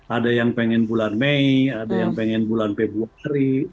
ada yang pengen bulan mei ada yang pengen bulan februari